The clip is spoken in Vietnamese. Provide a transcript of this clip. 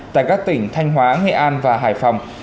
tại các tỉnh thanh hóa nghệ an và hải phòng